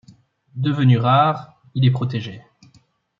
Devenu rare, il est protégé.